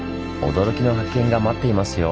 驚きの発見が待っていますよ。